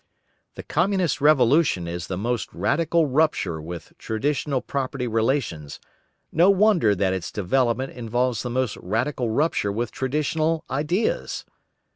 The Communist revolution is the most radical rupture with traditional property relations; no wonder that its development involves the most radical rupture with traditional ideas.